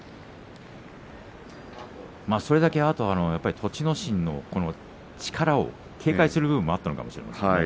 それだけ栃ノ心の力を警戒する部分はあったかもしれません。